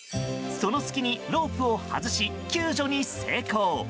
その隙にロープを外し救助に成功。